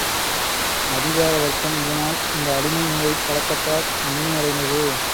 அதிகார வர்க்கம் இதனால், இந்த அடிமை முறைப் பழக்கத்தால் நன்மை அடைந்தது.